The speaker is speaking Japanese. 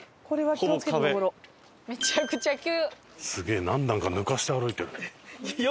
めちゃくちゃ急。